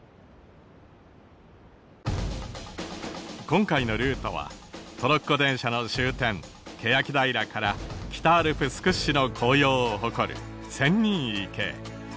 今回のルートはトロッコ電車の終点欅平から北アルプス屈指の紅葉を誇る仙人池へ。